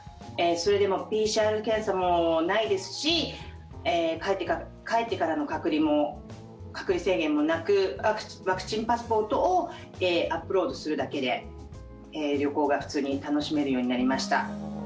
それでもＰＣＲ検査もないですし帰ってからの隔離制限もなくワクチンパスポートをアップロードするだけで旅行が普通に楽しめるようになりました。